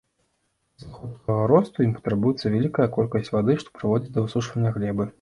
З-за хуткага росту ім патрабуецца вялікая колькасць вады, што прыводзіць да высушвання глебы.